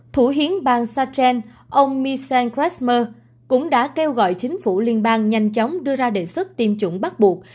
thủ hiến bang sachen ông michel krasmer cũng đã kêu gọi chính phủ liên bang nhanh chóng đưa ra đề xuất tiêm chủng bắt buộc